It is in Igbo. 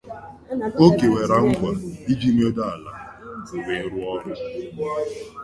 O kwekwara nkwà iji mwedanala wee rụọ ọrụ